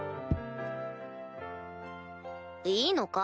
いいのか？